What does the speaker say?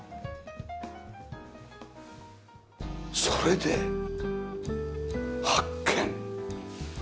それで発見。